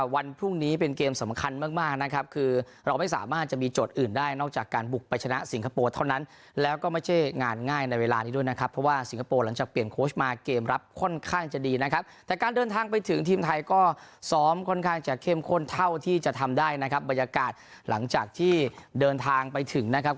วันพรุ่งนี้เป็นเกมสำคัญมากมากนะครับคือเราไม่สามารถจะมีโจทย์อื่นได้นอกจากการบุกไปชนะสิงคโปร์เท่านั้นแล้วก็ไม่ใช่งานง่ายในเวลานี้ด้วยนะครับเพราะว่าสิงคโปร์หลังจากเปลี่ยนโค้ชมาเกมรับค่อนข้างจะดีนะครับแต่การเดินทางไปถึงทีมไทยก็ซ้อมค่อนข้างจะเข้มข้นเท่าที่จะทำได้นะครับบรรยากาศหลังจากที่เดินทางไปถึงนะครับ